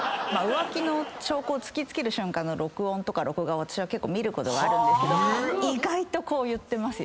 浮気の証拠を突き付ける瞬間の録音とか録画を私は結構見ることがあるんですけど。